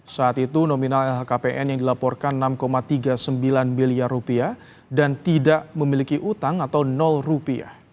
saat itu nominal lhkpn yang dilaporkan enam tiga puluh sembilan miliar rupiah dan tidak memiliki utang atau rupiah